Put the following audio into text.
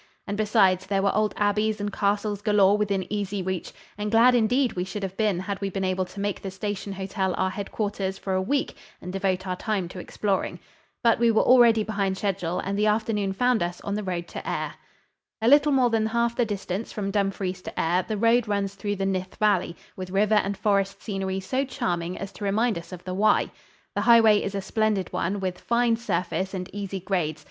And besides, there were old abbeys and castles galore within easy reach; and glad indeed we should have been had we been able to make the Station Hotel our headquarters for a week and devote our time to exploring. But we were already behind schedule and the afternoon found us on the road to Ayr. A little more than half the distance from Dumfries to Ayr the road runs through the Nith Valley, with river and forest scenery so charming as to remind us of the Wye. The highway is a splendid one, with fine surface and easy grades.